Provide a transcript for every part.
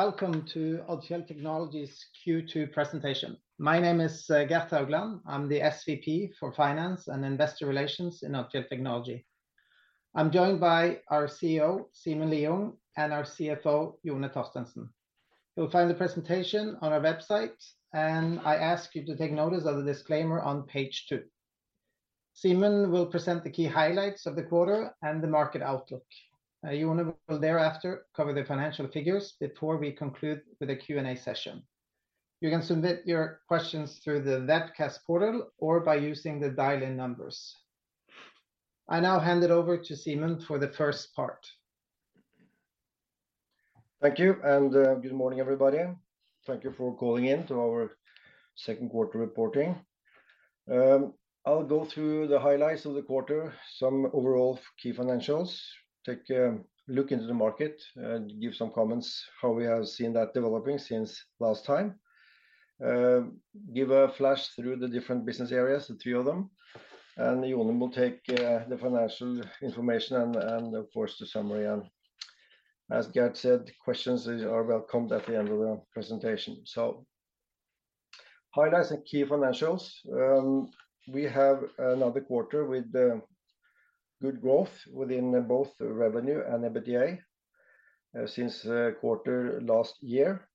Welcome to Odfjell Technology's Q2 presentation. My name is Gert Haugland. I'm the SVP for Finance and Investor Relations in Odfjell Technology. I'm joined by our CEO, Simen Lieungh, and our CFO, Jone Torstensen. You'll find the presentation on our website, and I ask you to take notice of the disclaimer on page two. Simen will present the key highlights of the quarter and the market outlook. Jone will thereafter cover the financial figures before we conclude with a Q&A session. You can submit your questions through the webcast portal or by using the dial-in numbers. I now hand it over to Simen for the first part. Thank you, and good morning, everybody. Thank you for calling in to our second quarter reporting. I'll go through the highlights of the quarter, some overall key financials, take a look into the market and give some comments how we have seen that developing since last time. Give a flash through the different business areas, the three of them, and Jone will take the financial information and, of course, the summary. And as Gert said, questions are welcomed at the end of the presentation. So highlights and key financials. We have another quarter with good growth within both revenue and EBITDA since the quarter last year.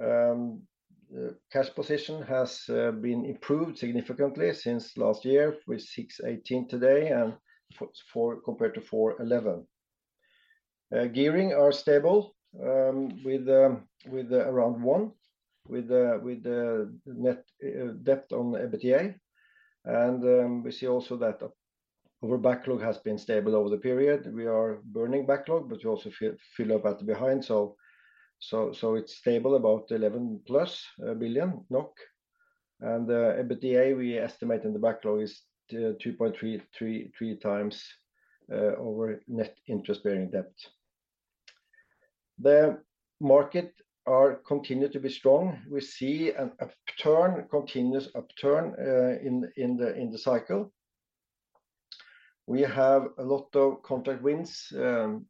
Cash position has been improved significantly since last year, with 618 million today and Q4 compared to 411 million. Gearing are stable, with around one, with the net debt on the EBITDA. And we see also that our backlog has been stable over the period. We are burning backlog, but we also fill, fill up at the behind. So it's stable about 11+ billion NOK. And the EBITDA we estimate in the backlog is 2.333 times over net interest-bearing debt. The market are continued to be strong. We see an upturn, continuous upturn in the cycle. We have a lot of contract wins,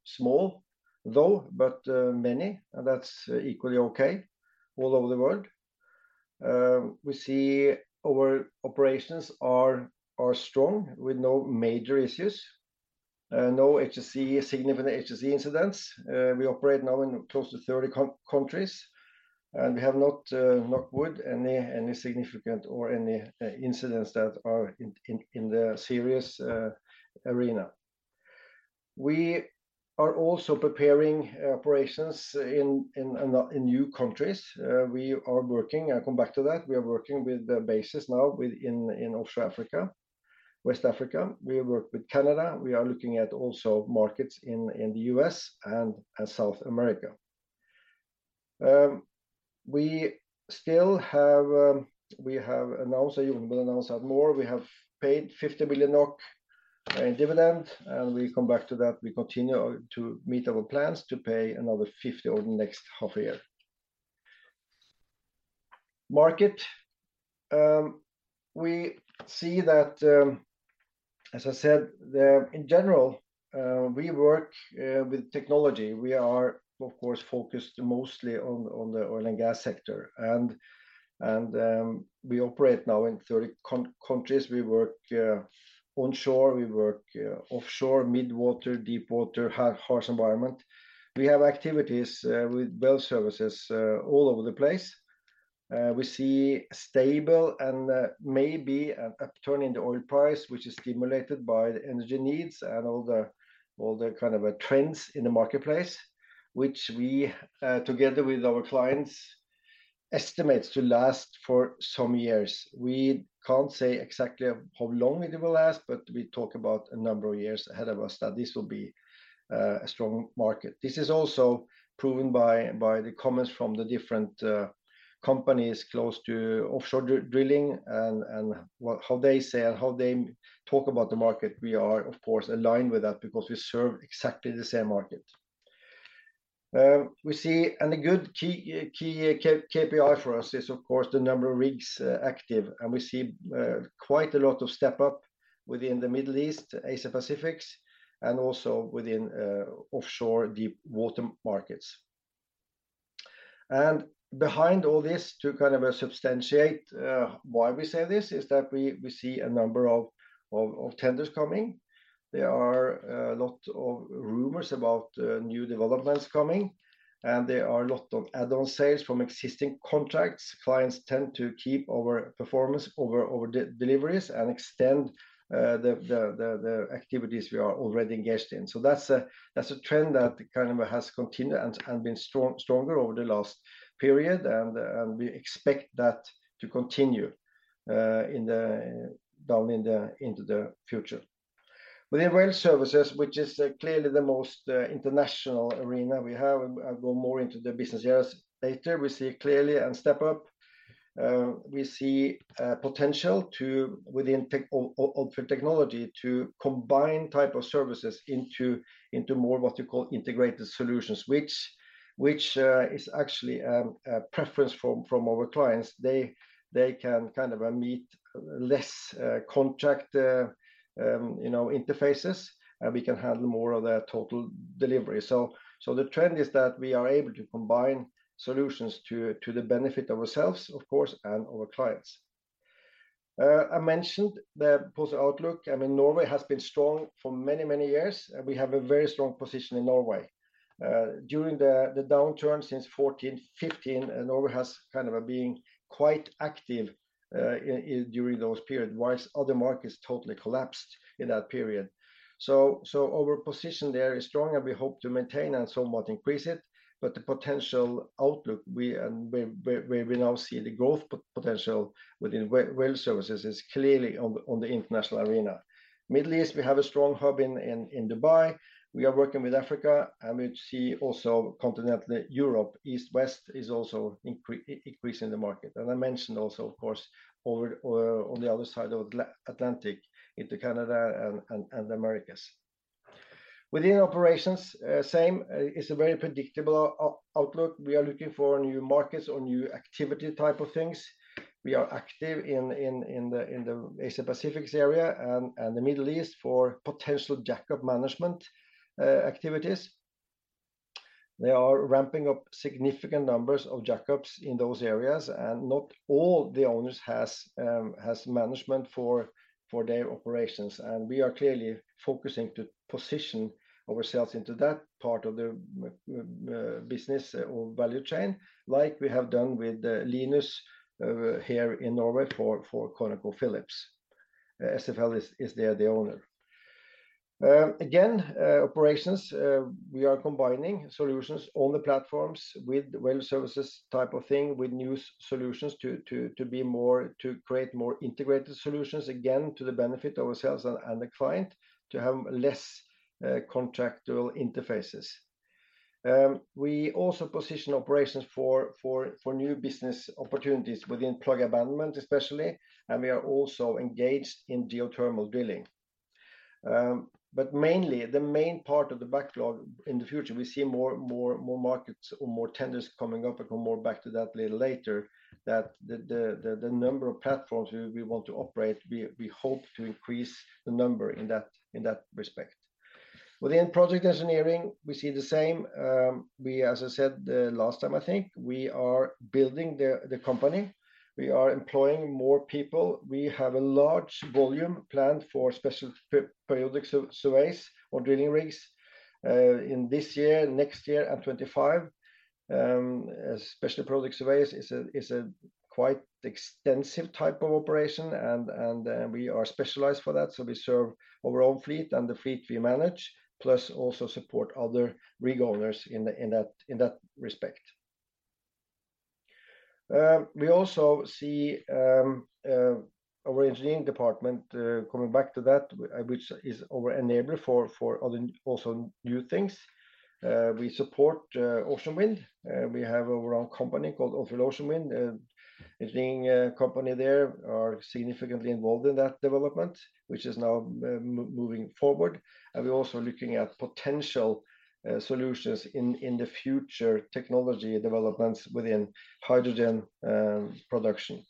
small though, but many, and that's equally okay, all over the world. We see our operations are strong, with no major issues, no significant HSE incidents. We operate now in close to 30 countries, and we have not, knock wood, any, any significant or any incidents that are in the serious arena. We are also preparing operations in new countries. We are working, I'll come back to that. We are working with the bases now within offshore Africa, West Africa. We work with Canada. We are looking at also markets in the U.S. and at South America. We still have, we have announced, and Jone will announce that more, we have paid 50 billion NOK in dividend, and we'll come back to that. We continue to meet our plans to pay another 50 billion over the next half year. Market, we see that, as I said, that. In general, we work with technology. We are, of course, focused mostly on the oil and gas sector, and we operate now in 30 countries. We work onshore, we work offshore, midwater, deepwater, harsh environment. We have activities with well services all over the place. We see stable and maybe an upturn in the oil price, which is stimulated by the energy needs and all the kind of trends in the marketplace, which we together with our clients, estimates to last for some years. We can't say exactly how long it will last, but we talk about a number of years ahead of us, that this will be a strong market. This is also proven by the comments from the different companies close to offshore drilling and how they say and how they talk about the market. We are, of course, aligned with that because we serve exactly the same market. We see, and a good key KPI for us is, of course, the number of rigs active, and we see quite a lot of step up within the Middle East, Asia-Pacific, and also within offshore deepwater markets. And behind all this, to kind of substantiate why we say this, is that we see a number of tenders coming. There are a lot of rumors about new developments coming, and there are a lot of add-on sales from existing contracts. Clients tend to keep our performance over the deliveries and extend the activities we are already engaged in. So that's a trend that kind of has continued and been stronger over the last period, and we expect that to continue into the future. Within well services, which is clearly the most international arena, we have, I'll go more into the business areas later. We see clearly a step up. We see potential to, within Odfjell Technology, to combine type of services into more what you call integrated solutions, which is actually a preference from our clients. They can kind of meet less contract you know interfaces, and we can handle more of their total delivery. So the trend is that we are able to combine solutions to the benefit of ourselves, of course, and our clients. I mentioned the positive outlook. I mean, Norway has been strong for many, many years, and we have a very strong position in Norway. During the downturn since 2014, 2015, and Norway has kind of been quite active during those periods, while other markets totally collapsed in that period. So our position there is strong, and we hope to maintain and somewhat increase it, but the potential outlook, we now see the growth potential within well services is clearly on the international arena. Middle East, we have a strong hub in Dubai. We are working with Africa, and we see also continental Europe, East, West, is also increasing the market. I mentioned also, of course, over or on the other side of the Atlantic, into Canada and the Americas. Within operations, same, it's a very predictable outlook. We are looking for new markets or new activity type of things. We are active in the Asia-Pacific's area and the Middle East for potential Jack-Up management activities. They are ramping up significant numbers of Jack-Ups in those areas, and not all the owners has management for their operations, and we are clearly focusing to position ourselves into that part of the world business or value chain, like we have done with Linus here in Norway for ConocoPhillips. SFL is the owner. Again, operations, we are combining solutions on the platforms with well services type of thing, with new solutions to be more to create more integrated solutions, again, to the benefit of ourselves and the client, to have less contractual interfaces. We also position operations for new business opportunities within plug abandonment, especially, and we are also engaged in geothermal drilling. But mainly, the main part of the backlog in the future, we see more markets or more tenders coming up, and come more back to that little later, that the number of platforms we want to operate, we hope to increase the number in that respect. Within project engineering, we see the same. We, as I said last time, I think, we are building the company. We are employing more people. We have a large volume planned for special periodic surveys on drilling rigs in this year, next year, and 2025. Special Periodic Surveys is a quite extensive type of operation, and we are specialized for that, so we serve our own fleet and the fleet we manage, plus also support other rig owners in that respect. We also see our engineering department coming back to that, which is our enabler for other also new things. We support offshore wind. We have our own company called Offshore Ocean Wind. Engineering company there are significantly involved in that development, which is now moving forward. And we're also looking at potential solutions in the future technology developments within hydrogen production.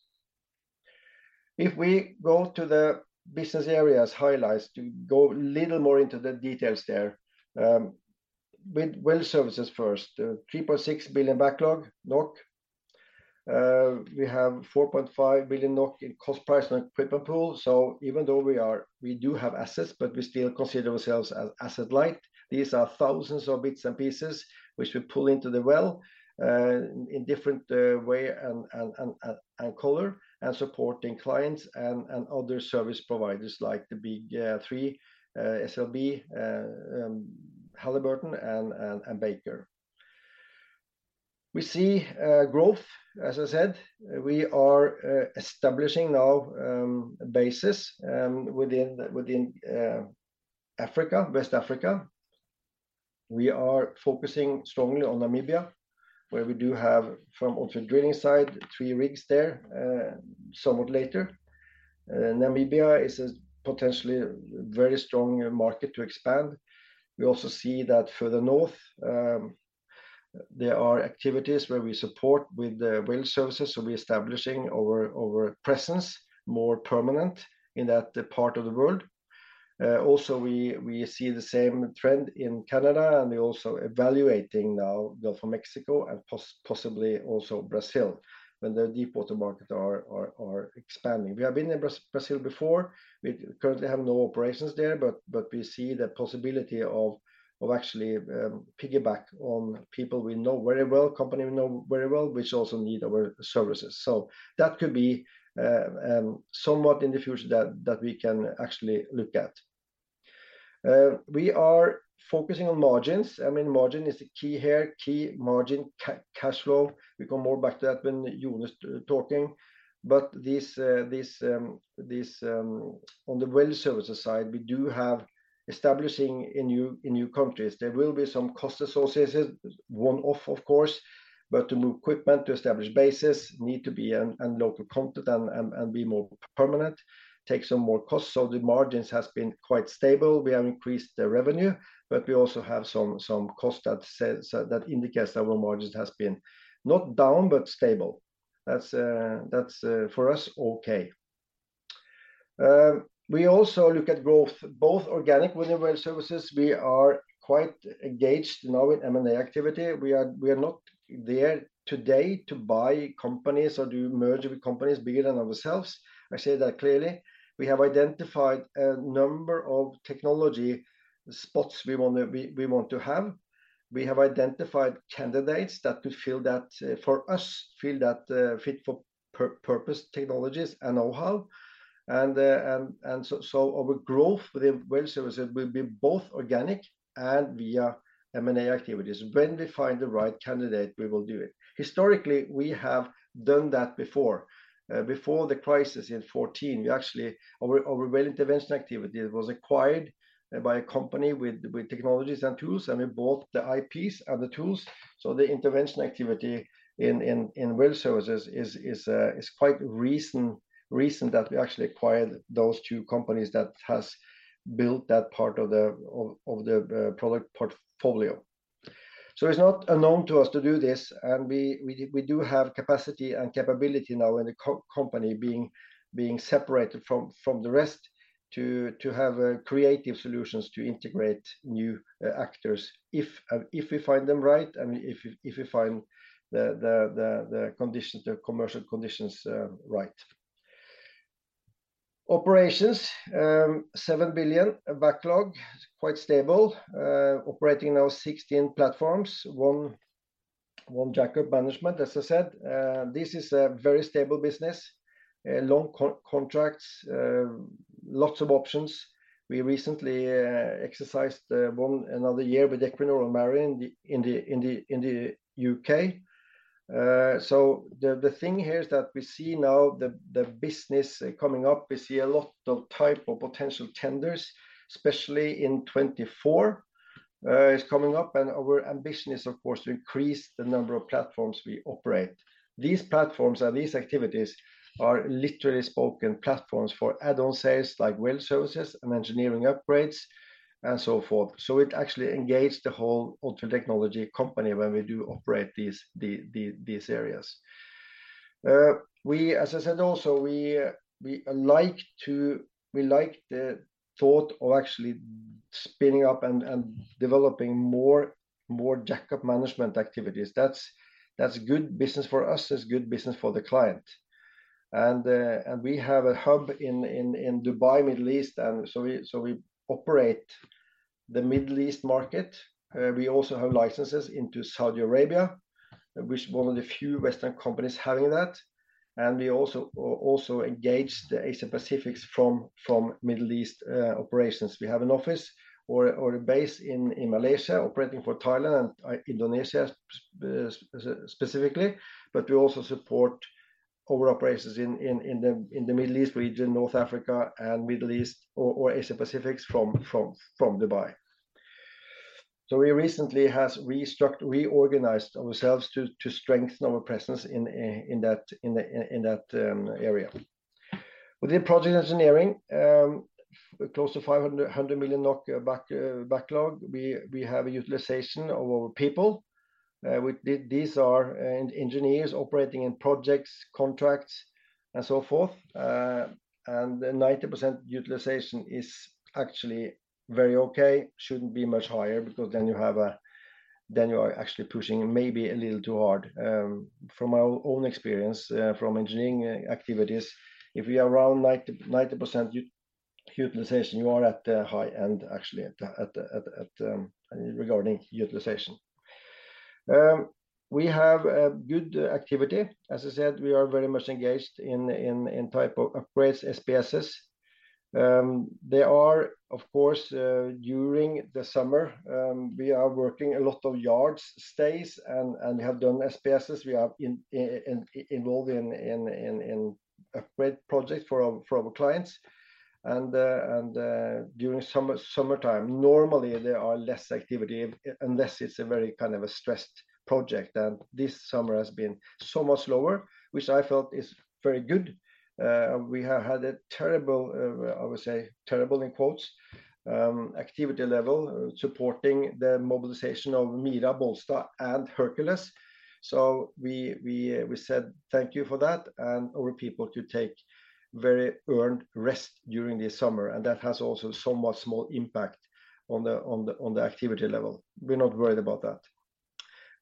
If we go to the business areas highlights, to go a little more into the details there, with well services first, 3.6 billion backlog, NOK. We have 4.5 billion NOK in cost price and equipment pool. So even though we are- we do have assets, but we still consider ourselves as asset light. These are thousands of bits and pieces which we pull into the well, in different ways and colors, and supporting clients and other service providers like the big three, SLB, Halliburton and Baker. We see growth, as I said. We are establishing now a basis within Africa, West Africa. We are focusing strongly on Namibia, where we do have, from offshore drilling side three, rigs there, somewhat later. Namibia is a potentially very strong market to expand. We also see that further north, there are activities where we support with the well services, so we're establishing our presence more permanent in that part of the world. Also we see the same trend in Canada, and we're also evaluating now the Gulf of Mexico and possibly also Brazil, when the Deepwater market are expanding. We have been in Brazil before. We currently have no operations there, but we see the possibility of actually piggyback on people we know very well, company we know very well, which also need our services. So that could be somewhat in the future that we can actually look at. We are focusing on margins. I mean, margin is the key here, key margin, cash flow. We'll come more back to that when Jone talking. But this on the well services side, we do have establishing in new countries. There will be some cost associated, one-off of course, but to move equipment, to establish bases, need to be in and local content and be more permanent, take some more costs. So the margins has been quite stable. We have increased the revenue, but we also have some cost that says, that indicates that our margin has been not down, but stable. That's for us, okay. We also look at growth, both organic within well services. We are quite engaged now in M&A activity. We are not there today to buy companies or do merger with companies bigger than ourselves. I say that clearly. We have identified a number of technology spots we want to have. We have identified candidates that we feel that for us feel that fit for purpose technologies and know-how. So our growth within Well Services will be both organic and via M&A activities. When we find the right candidate, we will do it. Historically, we have done that before. Before the crisis in 2014, we actually our Well Intervention activity was acquired by a company with technologies and tools, and we bought the IPs and the tools. So the Intervention activity in Well Services is quite recent that we actually acquired those two companies that has built that part of the product portfolio. So it's not unknown to us to do this, and we do have capacity and capability now in the company being separated from the rest to have creative solutions to integrate new actors, if we find them right and if we find the conditions, the commercial conditions, right. Operations, 7 billion backlog, quite stable. Operating now 16 platforms, 1 Jack-Up management. As I said, this is a very stable business, long contracts, lots of options. We recently exercised 1 another year with Equinor and Marine in the U.K. So the thing here is that we see now the business coming up, we see a lot of type of potential tenders, especially in 2024, is coming up, and our ambition is, of course, to increase the number of platforms we operate. These platforms and these activities are literally spoken platforms for add-on sales, like well services and engineering upgrades, and so forth. So it actually engaged the whole Odfjell Technology company when we do operate these areas. As I said also, we like the thought of actually spinning up and developing more Jack-Up management activities. That's good business for us, it's good business for the client. And we have a hub in Dubai, Middle East, and so we operate the Middle East market. We also have licenses into Saudi Arabia, which one of the few Western companies having that. We also engage the Asia-Pacific from Middle East operations. We have an office or a base in Malaysia, operating for Thailand and Indonesia, specifically, but we also support our operations in the Middle East region, North Africa, and Middle East, or Asia-Pacific from Dubai. We recently has reorganized ourselves to strengthen our presence in that area. Within project engineering, close to 500 million NOK backlog, we have a utilization of our people. These are engineers operating in projects, contracts, and so forth. And 90% utilization is actually very okay. Shouldn't be much higher because then you are actually pushing maybe a little too hard. From our own experience, from engineering activities, if you are around 90% utilization, you are at the high end, actually, regarding utilization. We have a good activity. As I said, we are very much engaged in type of upgrades, SPSs. They are, of course, during the summer, we are working a lot of yard stays and we have done SPSs. We are involved in upgrade projects for our clients. And during summer, summertime, normally, there are less activity unless it's a very kind of a stressed project, and this summer has been so much lower, which I felt is very good. We have had a terrible, I would say, terrible in quotes, activity level, supporting the mobilization of Mira, Bollsta, and Hercules. So we said, "Thank you for that," and our people to take very earned rest during the summer, and that has also somewhat small impact on the activity level. We're not worried about that.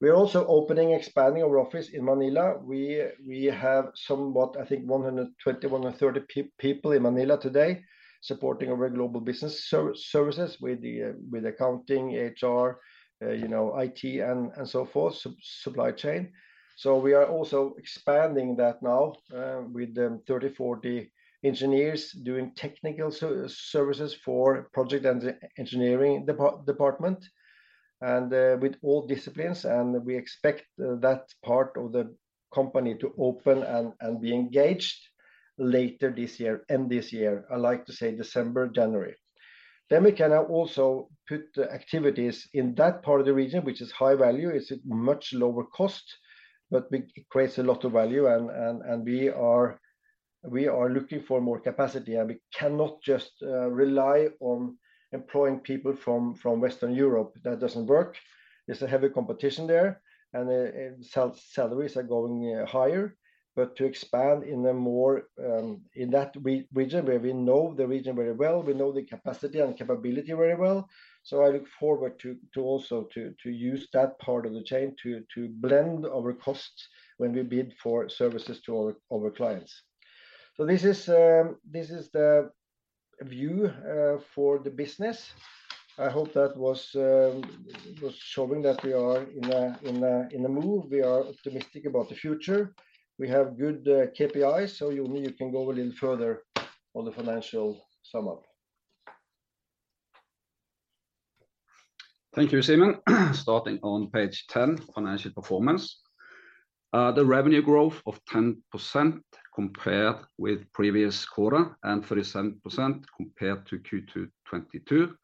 We are also opening, expanding our office in Manila. We have somewhat, I think, 120-130 people in Manila today, supporting our global business services with the, with accounting, HR, you know, IT, and so forth, supply chain. So we are also expanding that now, with the 30-40 engineers doing technical services for project engineering department, and, with all disciplines, and we expect that part of the company to open and, and be engaged later this year, end this year. I like to say December, January. Then we can now also put the activities in that part of the region, which is high value. It's a much lower cost, but it creates a lot of value, and, and, and we are, we are looking for more capacity, and we cannot just, rely on employing people from, from Western Europe. That doesn't work. There's a heavy competition there, and the salaries are going higher. But to expand in a more in that region where we know the region very well, we know the capacity and capability very well. So I look forward to also to use that part of the chain to blend our costs when we bid for services to our clients. So this is the view for the business. I hope that was showing that we are in a move. We are optimistic about the future. We have good KPIs, so you can go a little further on the financial sum up. Thank you, Simen. Starting on page 10, financial performance. The revenue growth of 10% compared with previous quarter, and 37% compared to Q2 2022,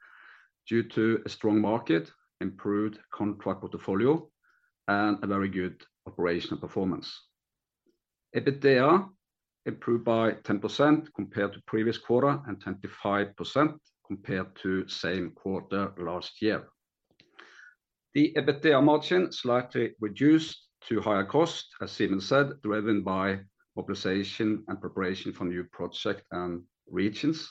due to a strong market, improved contract portfolio, and a very good operational performance. EBITDA improved by 10% compared to previous quarter, and 25% compared to same quarter last year. The EBITDA margin slightly reduced to higher cost, as Simen said, driven by mobilization and preparation for new project and regions,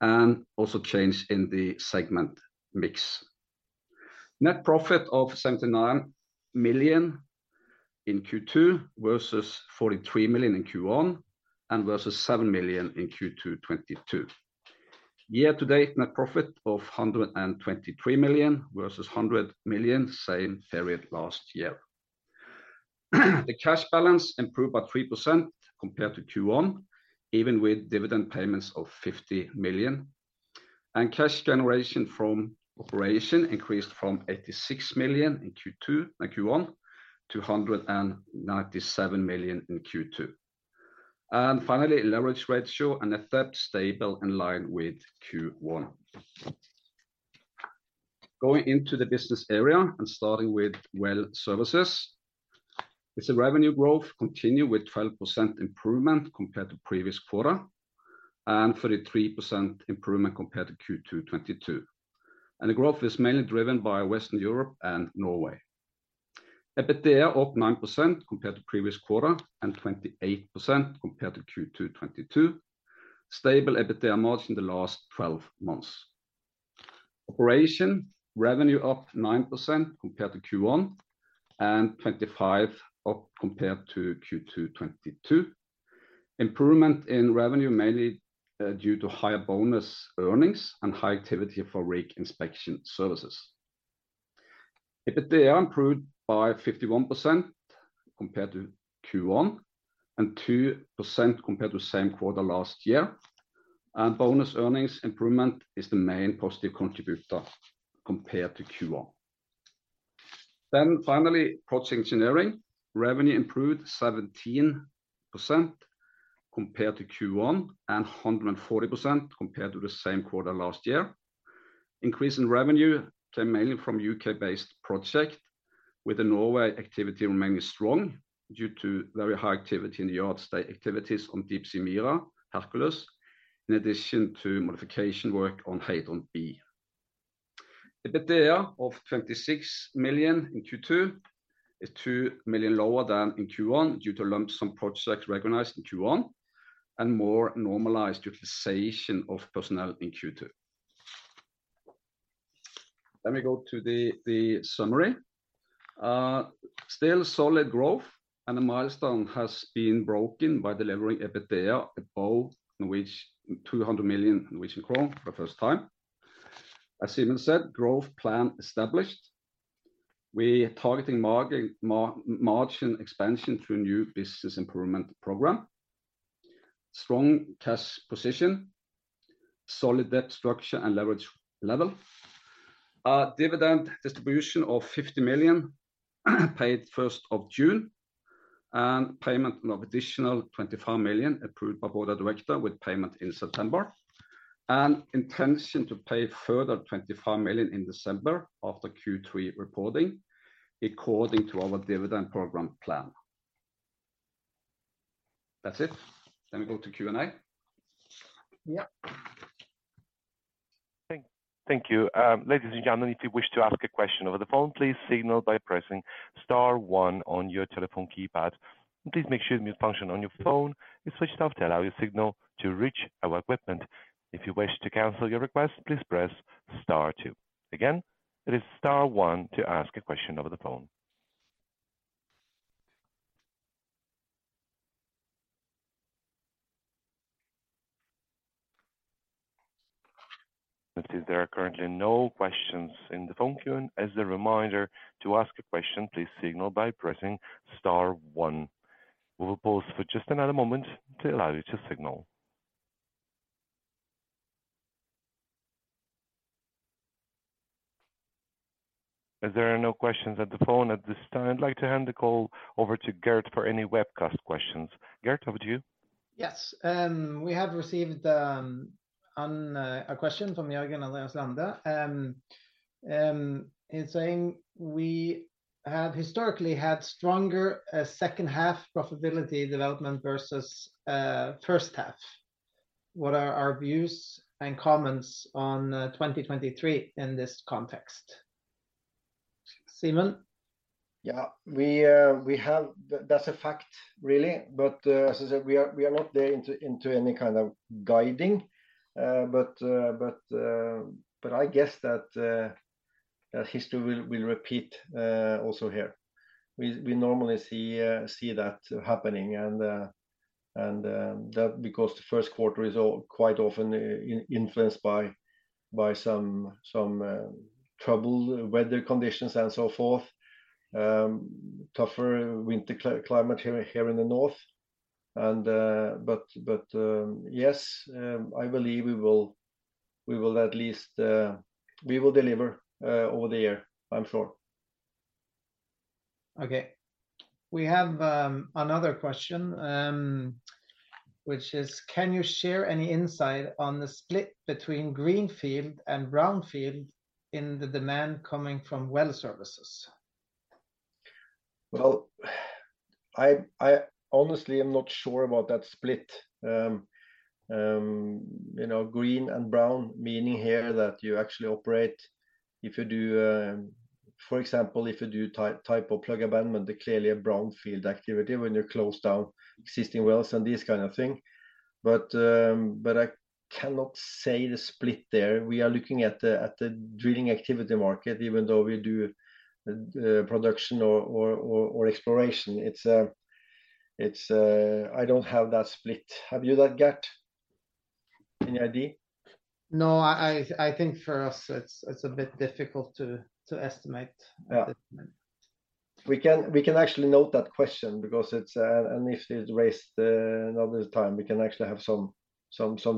and also change in the segment mix. Net profit of 79 million in Q2, versus 43 million in Q1, and versus 7 million in Q2 2022. Year-to-date, net profit of 123 million, versus 100 million, same period last year. The cash balance improved by 3% compared to Q1, even with dividend payments of 50 million. Cash generation from operation increased from 86 million in Q2, Q1, to 197 million in Q2. And finally, leverage ratio and FFO stable in line with Q1. Going into the business area and starting with well services, it's a revenue growth continue with 12% improvement compared to previous quarter, and 33% improvement compared to Q2 2022, and the growth is mainly driven by Western Europe and Norway. EBITDA up 9% compared to previous quarter, and 28% compared to Q2 2022. Stable EBITDA margin the last twelve months. Operation revenue up 9% compared to Q1, and 25% up compared to Q2 2022. Improvement in revenue mainly due to higher bonus earnings and high activity for rig inspection services. EBITDA improved by 51% compared to Q1, and 2% compared to the same quarter last year, and bonus earnings improvement is the main positive contributor compared to Q1. Then finally, project engineering. Revenue improved 17% compared to Q1, and 140% compared to the same quarter last year. Increase in revenue came mainly from U.K.-based project, with the Norway activity remaining strong due to very high activity in the yard, the activities on Deepsea Mira, Hercules, in addition to modification work on Heidrun B. EBITDA of 26 million in Q2, is 2 million lower than in Q1, due to lump sum projects recognized in Q1, and more normalized utilization of personnel in Q2. Let me go to the summary. Still solid growth, and the milestone has been broken by delivering EBITDA above, in which 200 million Norwegian kroner for the first time. As Simen said, growth plan established. We are targeting margin expansion through new business improvement program. Strong cash position, solid debt structure, and leverage level. Dividend distribution of 50 million, paid first of June, and payment of additional 25 million, approved by board of directors, with payment in September. Intention to pay further 25 million in December after Q3 reporting, according to our dividend program plan. That's it. Let me go to Q&A. Yeah. Thank you. Ladies and gentlemen, if you wish to ask a question over the phone, please signal by pressing star one on your telephone keypad. Please make sure the mute function on your phone is switched off to allow your signal to reach our equipment. If you wish to cancel your request, please press star two. Again, it is star one to ask a question over the phone. It says there are currently no questions in the phone queue. As a reminder, to ask a question, please signal by pressing star one. We will pause for just another moment to allow you to signal. As there are no questions at the phone at this time, I'd like to hand the call over to Gert for any webcast questions. Gert, over to you. Yes, we have received a question from Jørgen Andreas Lande. He's saying, "We have historically had stronger second half profitability development versus first half. What are our views and comments on 2023 in this context?" Simen? Yeah, we have that's a fact, really. But, as I said, we are not there into any kind of guiding. But, but I guess that history will repeat also here. We normally see that happening, and that because the first quarter is quite often influenced by some trouble weather conditions and so forth. Tougher winter climate here in the north. And, but yes, I believe we will at least we will deliver over the year, I'm sure. Okay. We have another question, which is: Can you share any insight on the split between greenfield and brownfield in the demand coming from well services? Well, I honestly am not sure about that split. You know, green and brown, meaning here that you actually operate if you do. For example, if you do type of plug abandonment, clearly a brownfield activity when you close down existing wells and this kind of thing. But, but I cannot say the split there. We are looking at the drilling activity market, even though we do production or exploration. It's, I don't have that split. Have you, like, got any idea? No, I think for us, it's a bit difficult to estimate. Yeah. We can actually note that question because it's, and if it waits another time, we can actually have some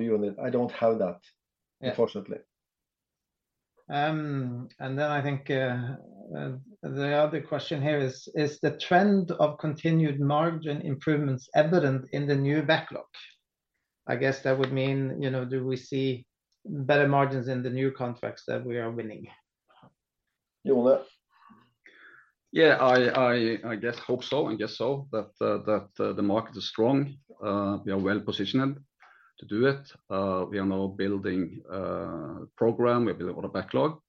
unit. I don't have that. Yeah Unfortunately. And then I think the other question here is, is the trend of continued margin improvements evident in the new backlog? I guess that would mean, you know, do we see better margins in the new contracts that we are winning?. Jone? Yeah, I guess, hope so, and guess so, that the market is strong. We are well-positioned to do it. We are now building program, we build order backlog.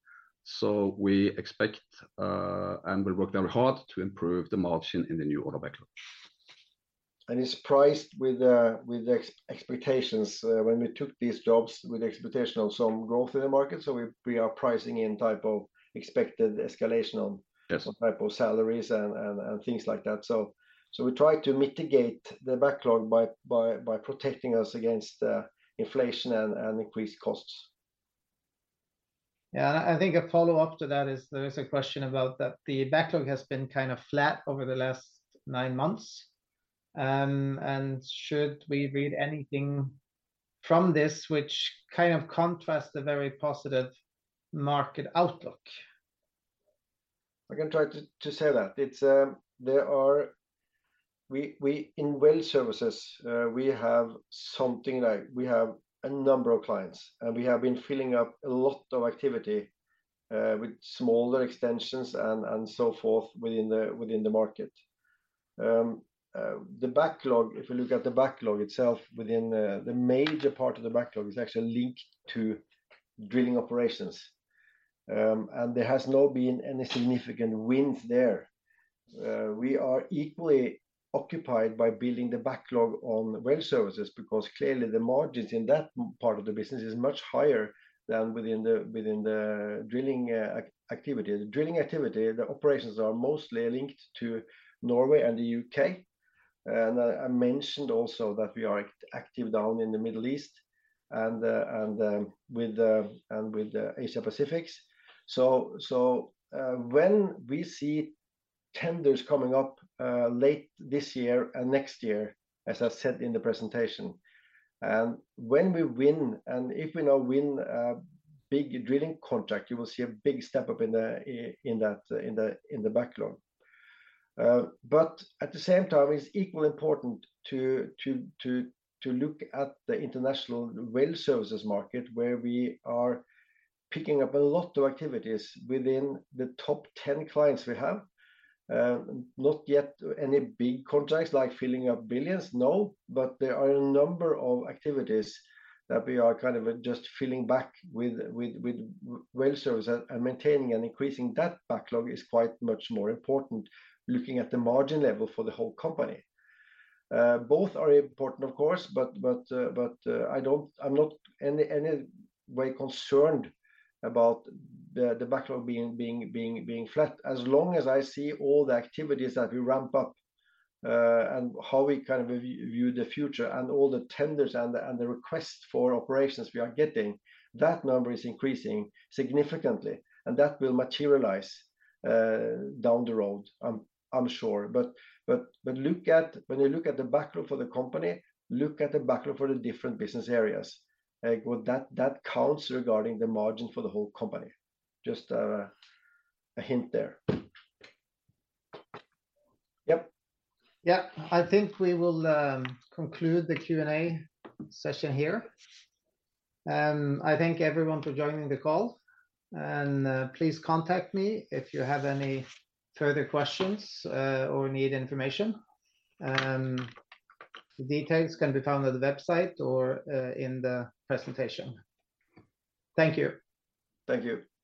So we expect, and we'll work very hard to improve the margin in the new order backlog. It's priced with expectations. When we took these jobs with the expectation of some growth in the market, so we are pricing in type of expected escalation on, Yes Some type of salaries and things like that. So we try to mitigate the backlog by protecting us against inflation and increased costs. Yeah, I think a follow-up to that is there is a question about that the backlog has been kind of flat over the last nine months, and should we read anything from this, which kind of contrasts the very positive market outlook? I can try to say that. It's there are. We in Well Services, we have something like, we have a number of clients, and we have been filling up a lot of activity with smaller extensions and so forth within the market. The backlog, if you look at the backlog itself within the major part of the backlog is actually linked to drilling operations. And there has not been any significant wins there. We are equally occupied by building the backlog on Well Services, because clearly the margins in that part of the business is much higher than within the drilling activity. The drilling activity, the operations are mostly linked to Norway and the U.K. And I mentioned also that we are active down in the Middle East and with the Asia-Pacific. So, when we see tenders coming up late this year and next year, as I said in the presentation, and when we win, and if we now win a big drilling contract, you will see a big step up in the backlog. But at the same time, it's equally important to look at the international well services market, where we are picking up a lot of activities within the top 10 clients we have. Not yet any big contracts, like filling up billions, no, but there are a number of activities that we are kind of just filling back with well services. Maintaining and increasing that backlog is quite much more important, looking at the margin level for the whole company. Both are important, of course, but I'm not any way concerned about the backlog being flat, as long as I see all the activities that we ramp up, and how we kind of view the future and all the tenders and the requests for operations we are getting, that number is increasing significantly, and that will materialize down the road, I'm sure. But look at when you look at the backlog for the company, look at the backlog for the different business areas. Well, that counts regarding the margin for the whole company. Just a hint there. Yep. Yeah, I think we will conclude the Q&A session here. I thank everyone for joining the call, and please contact me if you have any further questions or need information. The details can be found on the website or in the presentation. Thank you. Thank you.